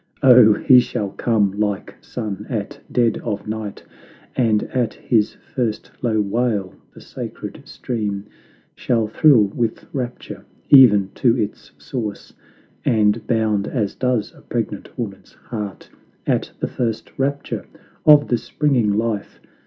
Oh, He shall come like sun at dead of night, And at His first low wail the sacred stream Shall thrill with rapture even to its source, And bound as does a pregnant woman's heart At the first rapture of the springing life.